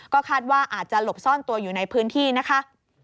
ก็คาดว่าอาจจะหลบซ่อนตัวอยู่ในพื้นที่นะคะ